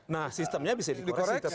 nah sistemnya bisa dikoreksi